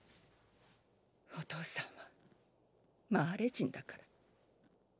お父さんはマーレ人だから。